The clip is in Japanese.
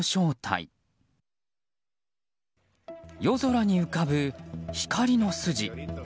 夜空に浮かぶ光の筋。